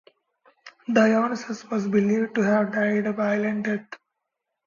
Dionysus was believed to have died a violent death.